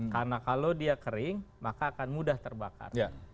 karena kalau dia kering maka akan mudah terbakar